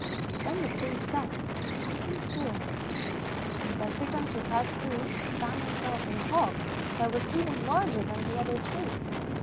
Then the princess opened a door, and Bensurdatu passed through, and found himself in a hall that was even larger than the other two.